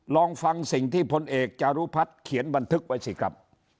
ลองฟังสิ่งที่พลเอกจารุพัฒน์เขียนบันทึกไว้สิครับ